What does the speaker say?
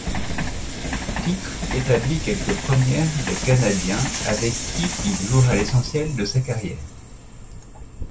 Pitre établit quelques premières des Canadiens avec qui il jouera l'essentiel de sa carrière.